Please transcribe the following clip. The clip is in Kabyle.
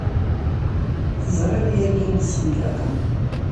Teẓriḍ yagi ssenǧaq-a?